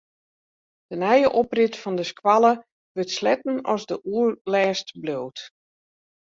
De nije oprit fan de skoalle wurdt sletten as de oerlêst bliuwt.